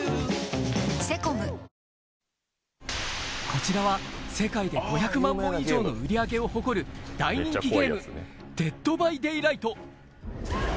こちらは世界で５００万本以上の売り上げを誇る、大人気ゲーム、デッド・バイ・デイライト。